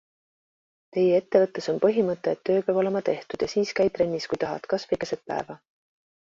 Teie ettevõttes on põhimõte, et töö peab olema tehtud ja siis käi trennis, kui tahad, kasvõi keset päeva.